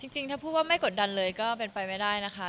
จริงถ้าพูดว่าไม่กดดันเลยก็เป็นไปไม่ได้นะคะ